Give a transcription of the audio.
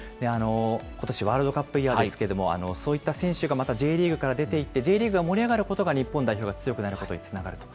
ことし、ワールドカップイヤーですけれども、そういった選手がまたＪリーグから出ていって、Ｊリーグが盛り上がることが、日本代表が強くなることにつながると。